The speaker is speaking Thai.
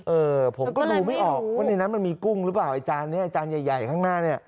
เออผมก็ดูไม่ออกว่าในนั้นมันมีกุ้งหรือเปล่าไอจานนี้จานใหญ่ข้างหน้าเนี่ย